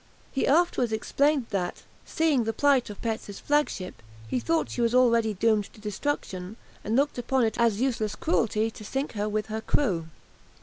He afterwards explained that, seeing the plight of Petz's flagship, he thought she was already doomed to destruction, and looked upon it as useless cruelty to sink her with her crew.